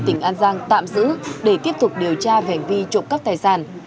tỉnh an giang tạm giữ để tiếp tục điều tra về hành vi trộm cắp tài sản